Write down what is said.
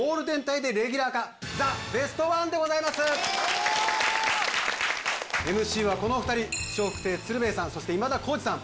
イエーイＭＣはこの２人笑福亭鶴瓶さんそして今田耕司さん